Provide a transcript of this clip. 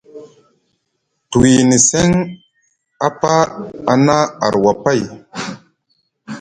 Te wiyini seŋ apa a na arwa pay,